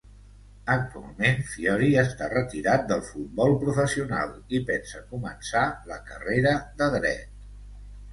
Actualment, Fiori està retirat del futbol professional i pensa començar la carrera de Dret.